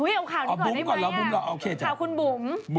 เอาข่าวนี้ก่อนได้ไหมข่าวคุณบุ๋ม